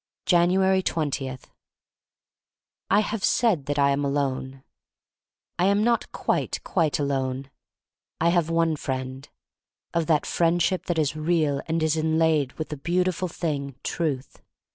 Januatp 20* I HAVE said that I am alone. I am not quite, quite alone. I have one friend — of that Friendship that is real and is inlaid with the beautiful thing Truth.